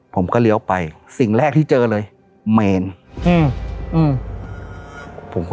ผมก็เลี้ยวไปสิ่งแรกที่เจอเลยเมนอืม